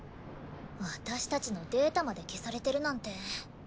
私たちのデータまで消されてるなんて。